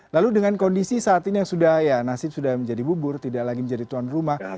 lalu dengan kondisi saat ini yang sudah ya nasib sudah menjadi bubur tidak lagi menjadi tuan rumah